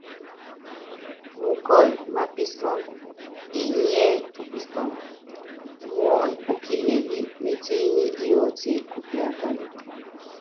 Mukɔl mapísɔ́ŋ íniɛ tupisɔŋ, muɔ́n u kilelí metinyí yóotie kupíákalet.